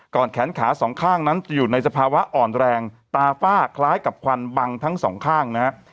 แขนขาสองข้างนั้นจะอยู่ในสภาวะอ่อนแรงตาฝ้าคล้ายกับควันบังทั้งสองข้างนะฮะ